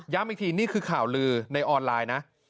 อีกทีนี่คือข่าวลือในออนไลน์นะ